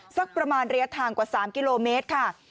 สักประมาณระยะทางกว่า๓กิโลเมตรค่ะ